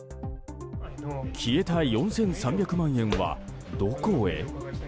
消えた４３００万円はどこへ？